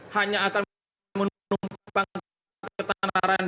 hanya akan menunggu pangkat ketentaran